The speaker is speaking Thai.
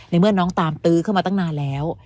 เมื่อน้องตามตื้อเข้ามาตั้งนานแล้ว